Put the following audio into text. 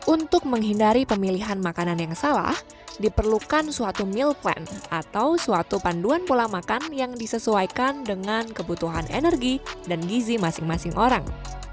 untuk menghindari pemilihan makanan yang salah diperlukan suatu meal plan atau suatu panduan pola makan yang disesuaikan dengan kebutuhan energi dan gizi masing masing orang